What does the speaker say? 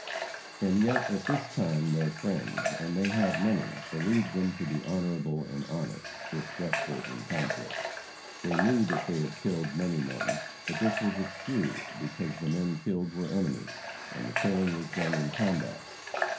And yet at this time their friends and they had many believed them to be honorable and honest, if desperate in conflict. They knew that they had killed many men, but this was excused, because the men killed were enemies, and the killing was done in combats.